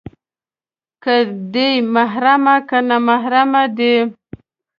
که دې محرمې، که نامحرمې دي